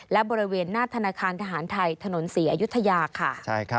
และบริเวณหน้าธนาคารทหารไทยถนนศรีอยุธยาค่ะ